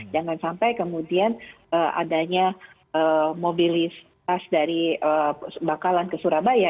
jangan sampai kemudian adanya mobilisasi dari bangkalan ke surabaya